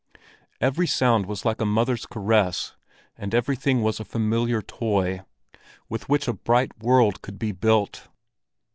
Every sound was like a mother's caress, and every thing was a familiar toy, with which a bright world could be built.